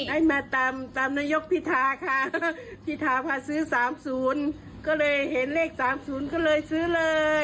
ได้มาตามนายกพิทาพาซื้อ๓๐เห็นเลข๓๐ก็เลยซื้อเลย